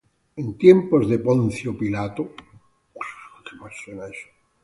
en tiempos de Poncio Pilato;